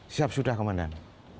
siap sudah komandan